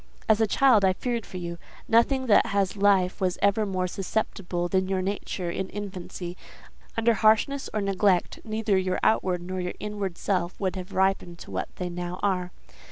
"As a child I feared for you; nothing that has life was ever more susceptible than your nature in infancy: under harshness or neglect, neither your outward nor your inward self would have ripened to what they now are.